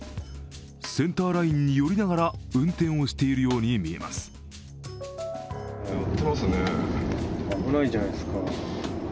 センターラインに寄りながら運転をしているように見えます。